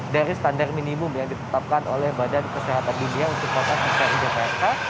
dari standar minimum yang ditetapkan oleh badan kesehatan dunia untuk kota dki jakarta